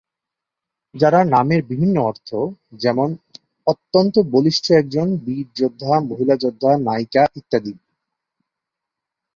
যার নামের বিভিন্ন অর্থ যেমন 'অত্যন্ত বলিষ্ঠ একজন, বীর যোদ্ধা, মহিলা যোদ্ধা, নায়িকা ইত্যাদি।